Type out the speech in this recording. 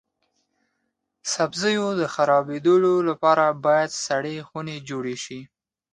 سبزیو د خرابیدو لپاره باید سړې خونې جوړې شي.